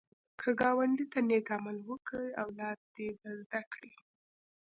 که ګاونډي ته نېک عمل وکړې، اولاد دې به زده کړي